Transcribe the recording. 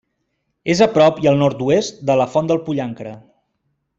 És a prop i al nord-oest de la Font del Pollancre.